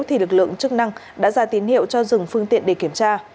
thì lực lượng chức năng đã ra tín hiệu cho dừng phương tiện để kiểm tra